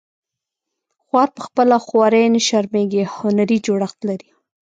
خوار په خپله خواري نه شرمیږي هنري جوړښت لري